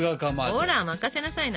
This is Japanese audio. ほら任せなさいな。